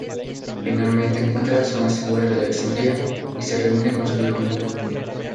Finalmente encuentra la zona segura de Alexandria y se reúne con su viejo amigo.